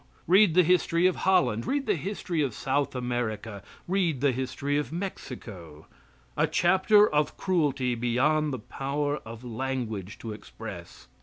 Read the history of Holland, read the history of South America, read the history of Mexico a chapter of cruelty beyond the power of language to express.